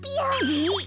えっ！